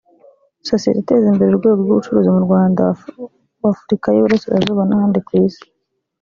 sosiyete iteza imbere urwego rw’ubucuruzi mu muryango w’ Afurika y’Iburasirazuba n’ahandi ku isi